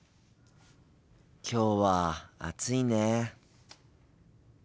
きょうは暑いね。